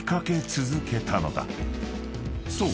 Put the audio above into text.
［そう。